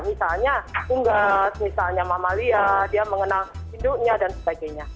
misalnya unggas misalnya mamalia dia mengenal induknya dan sebagainya